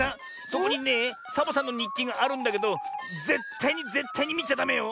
そこにねえサボさんのにっきがあるんだけどぜったいにぜったいにみちゃダメよ。